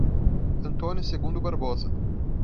Antônio Segundo Barbosa